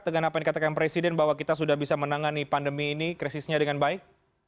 dengan apa yang dikatakan presiden bahwa kita sudah bisa menangani pandemi ini krisisnya dengan baik